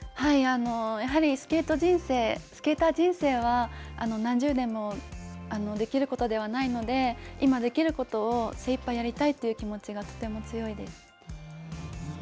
やはりスケート人生、スケーター人生は、何十年もできることではないので、今できることを精いっぱいやりたいという気持ちがとても強いです。